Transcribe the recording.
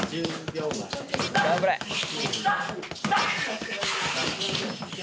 ・１０秒前。